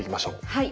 はい。